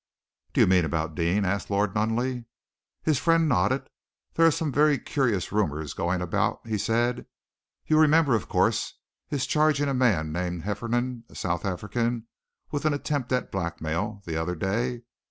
"Do you mean about Deane?" asked Lord Nunneley. His friend nodded. "There are some very curious rumors going about," he said. "You remember, of course, his charging a man named Hefferom a South African with an attempt at blackmail the other day?